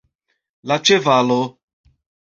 La ĉevalo.